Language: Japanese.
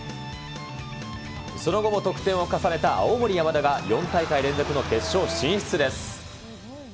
その後も得点を重ねた青森山田が４大会連続の決勝進出です。